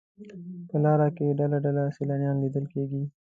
په لاره کې ډله ډله سیلانیان لیدل کېږي.